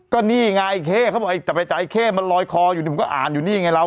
ก็นี่ไงเข้เขาบอกจะไปจ่ายเข้มันลอยคออยู่นี่ผมก็อ่านอยู่นี่ไงเรา